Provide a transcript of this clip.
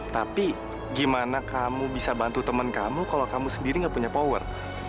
tapi gimana kamu bisa bantu teman kamu kalau kamu sendiri gak punya power